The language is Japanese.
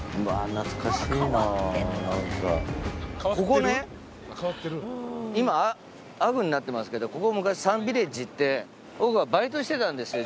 ここね今ＵＧＧになってますけどここ昔サンビレッジって僕がバイトしてたんですよ。